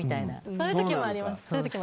そういう時もあります。